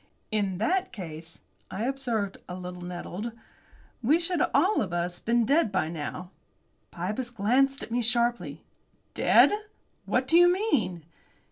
"In that case," I observed, a little nettled, "we should all of us been dead by now." Pybus glanced at me sharply. "Dead! What do you mean?"